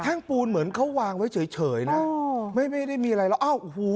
่งปูนเหมือนเขาวางไว้เฉยเฉยนะไม่ไม่ได้มีอะไรแล้วอ้าวโอ้โห